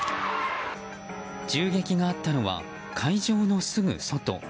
銃撃があったのは会場のすぐ外。